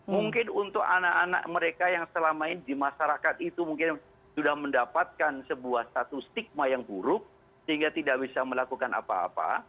mungkin untuk anak anak mereka yang selama ini di masyarakat itu mungkin sudah mendapatkan sebuah status stigma yang buruk sehingga tidak bisa melakukan apa apa